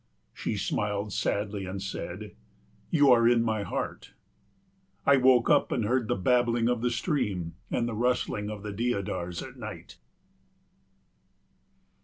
She smiled sadly and said, "You are in my heart." I woke up and heard the babbling of the stream and the rustling of the deodars at night.